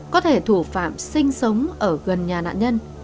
có thể thủ phạm sinh sống ở gần nhà nạn nhân